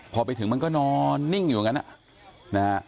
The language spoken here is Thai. พอไปถึงมันก็นอนนิ่งอยู่กัน